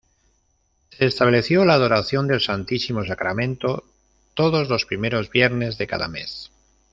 Se estableció la adoración del Santísimo Sacramento todos los primeros viernes de cada mes.